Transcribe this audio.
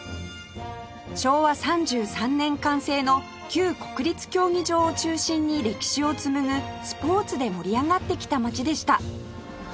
昭和３３年完成の旧国立競技場を中心に歴史を紡ぐスポーツで盛り上がってきた街でした